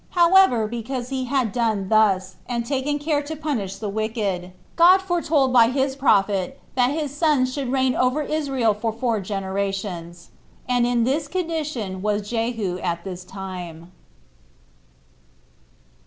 However, because he had done thus, and taken care to punish the wicked, God foretold by his prophet that his sons should reign over Israel for four generations. And in this condition was Jehu at this time.